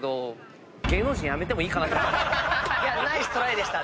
ナイストライでした！